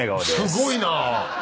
すごいなぁ！